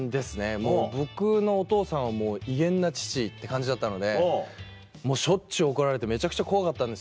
もう僕のお父さんは威厳な父って感じだったのでしょっちゅう怒られてめちゃくちゃ怖かったんです